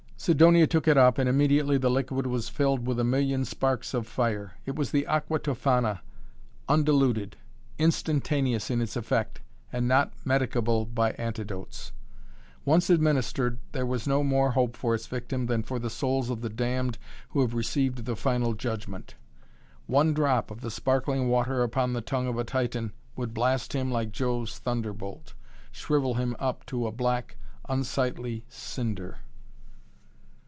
Sidonia took it up and immediately the liquid was filled with a million sparks of fire. It was the Aqua Tofana, undiluted, instantaneous in its effect, and not medicable by antidotes. Once administered there was no more hope for its victim than for the souls of the damned who have received the final judgment. One drop of the sparkling water upon the tongue of a Titan would blast him like Jove's thunderbolt, shrivel him up to a black, unsightly cinder.